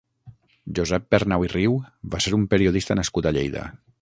Josep Pernau i Riu va ser un periodista nascut a Lleida.